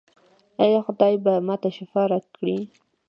ایا خدای به ما ته شفا راکړي؟